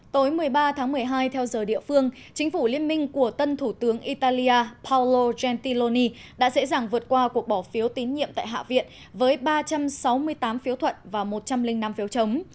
tối một mươi ba tháng một mươi hai theo giờ địa phương chính phủ liên minh của tân thủ tướng italia paulo jentiloni đã dễ dàng vượt qua cuộc bỏ phiếu tín nhiệm tại hạ viện với ba trăm sáu mươi tám phiếu thuận và một trăm linh năm phiếu chống